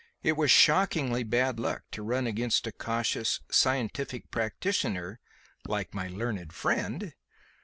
It was shockingly bad luck to run against a cautious scientific practitioner like my learned friend.